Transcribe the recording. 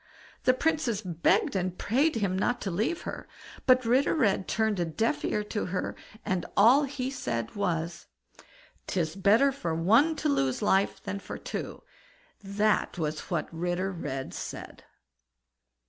The Princess begged and prayed him not to leave her, but Ritter Red turned a deaf ear to her, and all he said was: "Tis better for one to lose life than for two." That was what Ritter Red said.